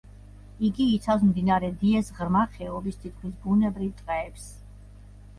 იგი იცავს მდინარე დიეს ღრმა ხეობის თითქმის ბუნებრივ ტყეებს.